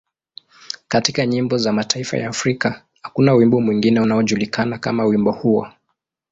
Katika nyimbo za mataifa ya Afrika, hakuna wimbo mwingine unaojulikana kama wimbo huo.